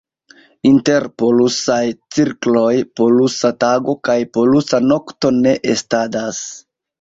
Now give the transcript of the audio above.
Inter polusaj cirkloj polusa tago kaj polusa nokto ne estadas.